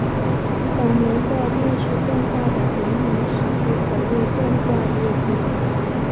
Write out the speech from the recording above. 早年在电视动画的黎明时期投入动画业界。